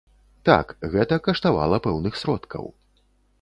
Так, гэта каштавала пэўных сродкаў.